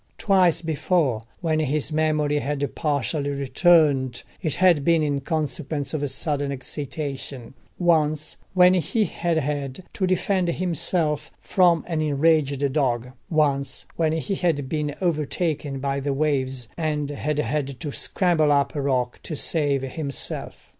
Twice before, when his memory had partially returned, it had been in consequence of sudden excitation: once when he had had to defend himself from an enraged dog: once when he had been overtaken by the waves, and had had to scramble up a rock to save himself.